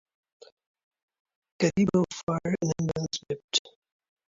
Caribou Fire and Ambulance Dept.